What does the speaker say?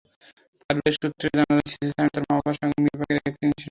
পারিবারিক সূত্র জানায়, শিশু সায়েম তার মা-বাবার সঙ্গে মিরবাগের একটি টিনশেডে থাকত।